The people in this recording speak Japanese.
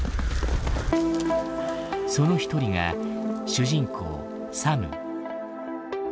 その一人が主人公サム。